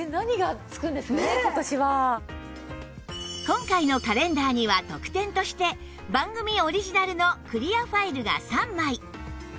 今回のカレンダーには特典として番組オリジナルのクリアファイルが３枚